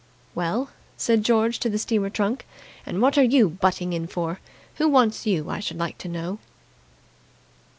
"Well," said George to the steamer trunk, "and what are you butting in for? Who wants you, I should like to know!"